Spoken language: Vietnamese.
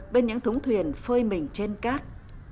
bên những thống thuyền phơi mình trên cát